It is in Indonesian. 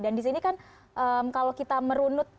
dan disini kan kalau kita merunut